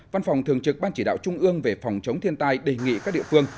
văn phòng thường trực ban chỉ đạo trung ương về phòng chống thiên tai đề nghị các địa phương